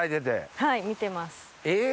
はい見てます。え！